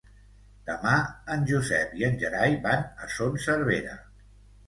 Demà en Josep i en Gerai van a Son Servera.